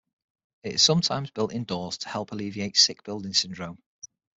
It is sometimes built indoors to help alleviate sick building syndrome.